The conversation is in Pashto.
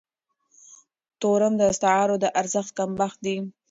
تورم د اسعارو د ارزښت کمښت دی.